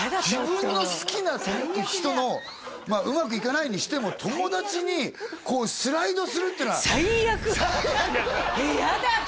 自分が好きな人のまあうまくいかないにしても友達にスライドするっていうのはやだ